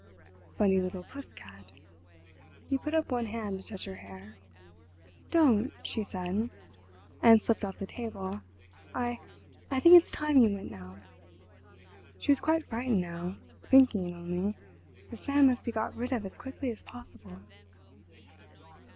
"Funny little puss cat!" He put up one hand to touch her hair. "Don't," she said—and slipped off the table. "I—I think it's time you went now." She was quite frightened now—thinking only: "This man must be got rid of as quickly as possible."